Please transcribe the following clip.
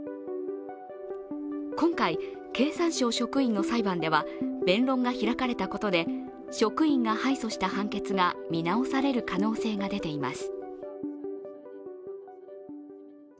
今回、経産省職員の裁判では弁論が開かれたことで職員が敗訴した判決が見直される可能性が出ています。